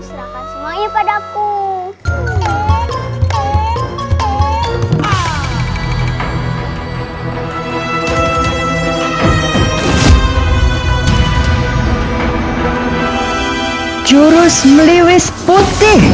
serahkan semuanya padaku jurus meliwis putih